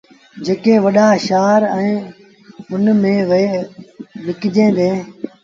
جيڪي وڏآݩ شآهرآݩ ميݩ وهي وڪجيٚن ديٚݩ۔